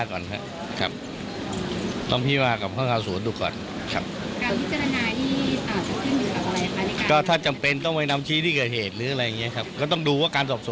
แค่ไหนนะครับจำเป็นต้องคิดที่เคยเห็นหรือไม่อย่างไรนะครับ